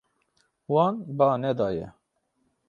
Wan ba nedaye.